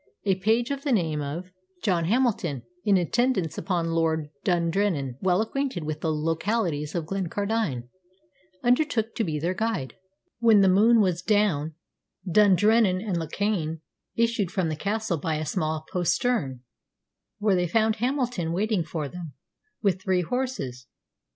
A page of the name of John Hamilton, in attendance upon Lord Dundrennan, well acquainted with the localities of Glencardine, undertook to be their guide. When the moon was down, Dundrennan and Lochan issued from the castle by a small postern, where they found Hamilton waiting for them with three horses.